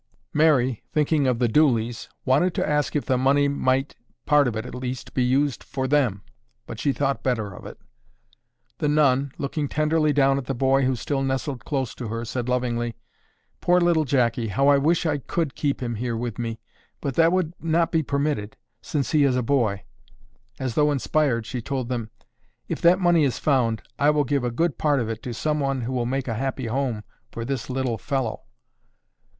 Mary, thinking of the Dooleys, wanted to ask if the money might, part of it at least, be used for them but she thought better of it. The nun, looking tenderly down at the boy who still nestled close to her, said lovingly, "Poor Little Jackie, how I wish I could keep him here with me, but that would not be permitted since he is a boy." As though inspired, she told them, "If that money is found, I will give a good part of it to someone who will make a happy home for this little fellow."